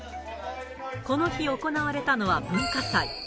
この日行われたのは文化祭。